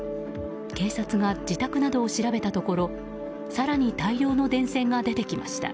警察が自宅などを調べたところ更に大量の電線が出てきました。